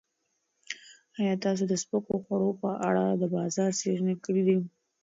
ایا تاسو د سپکو خوړو په اړه د بازار څېړنې کړې دي؟